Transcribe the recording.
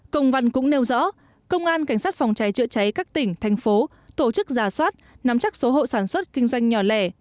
công văn cũng nêu rõ công an cảnh sát phòng cháy chữa cháy các tỉnh thành phố tổ chức giả soát nắm chắc số hộ sản xuất kinh doanh nhỏ lẻ